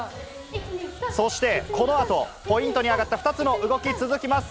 そしてこのあと、ポイントに挙がった２つの動き、続きます。